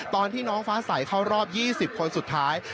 ตอนที่น้องฟ้าใสเข้ารอบ๒๐คนสุดท้าย